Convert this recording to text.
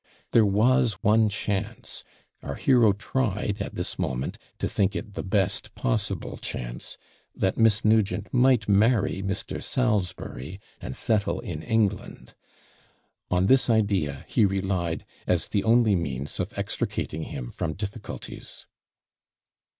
There was one chance our hero tried, at this moment, to think it the best possible chance that Miss Nugent might marry Mr. Salisbury, and settle in England. On this idea he relied as the only means of extricating him from difficulties.